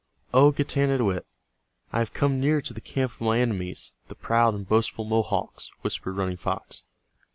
"O Getanittowit, I have come near to the camp of my enemies, the proud and boastful Mohawks," whispered Running Fox.